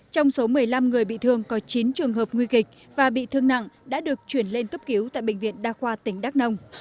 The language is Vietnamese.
trong số một mươi năm người bị thương có chín trường hợp nguy kịch và bị thương nặng đã được chuyển lên cấp cứu tại bệnh viện đa khoa tỉnh đắk nông